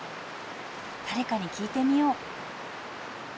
誰かに聞いてみよう。